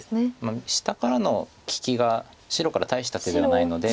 下からの利きが白から大した手ではないので。